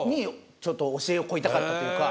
ちょっと教えを請いたかったというか。